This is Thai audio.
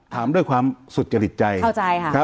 ถามด้วยความสุขระดิบใจ